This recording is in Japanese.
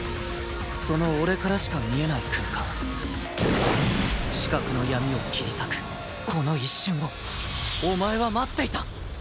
その俺からしか見えない空間死角の闇を切り裂くこの一瞬をお前は待っていた！